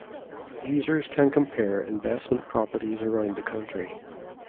Users can compare investment properties around the country.